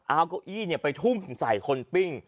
เอาเก้าอี้ไปทุ่มใส่คนปิ้ง